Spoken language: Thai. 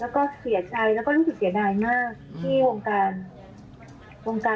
คือก่อนบ่ายนี้เอง